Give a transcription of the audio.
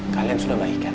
kalian sudah baik kan